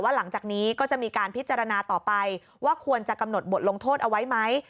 หลังจากนี้ก็จะมีการพิจารณาต่อไปว่าควรจะกำหนดบทลงโทษเอาไว้ไหม